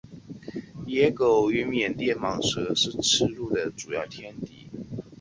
野狗与缅甸蟒蛇是赤麂的主要天敌。